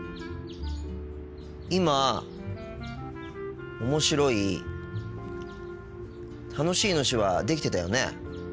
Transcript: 今「面白い」「楽しい」の手話できてたよね。